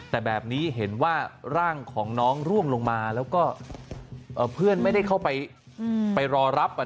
แต่แบบนี้เห็นว่าร่างของน้องร่วงลงมาแล้วก็เพื่อนไม่ได้เข้าไปรอรับ